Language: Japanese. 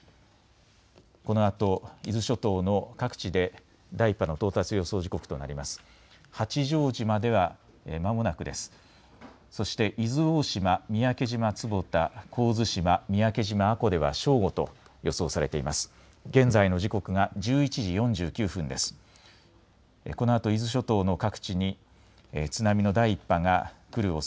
このあと伊豆諸島の各地で第１波の到達予想時刻となります。